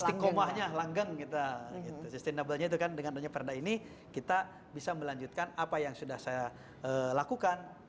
istiqomahnya langgeng kita sustainable nya itu kan dengan adanya perda ini kita bisa melanjutkan apa yang sudah saya lakukan